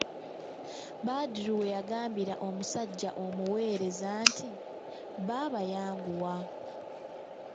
Badru we yagambira omusajja omuweereza nti:"baaba yanguwa"